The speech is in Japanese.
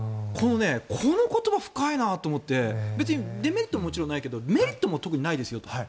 この言葉、深いなと思って別にデメリットはないけどメリットも特にないですよと。